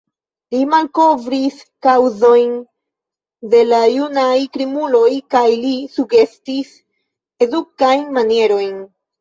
Li malkovris kaŭzojn de la junaj krimuloj kaj li sugestis edukajn manierojn.